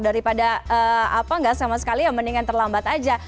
daripada apa nggak sama sekali ya mendingan terlambat aja